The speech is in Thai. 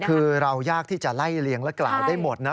คือเรายากที่จะไล่เลียงและกล่าวได้หมดนะ